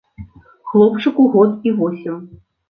Хлопчыку год і восем.